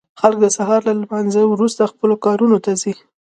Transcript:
خلک د سهار له لمانځه وروسته خپلو کارونو ته ځي.